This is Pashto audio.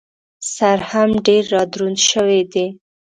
سر هم ډېر را دروند شوی دی.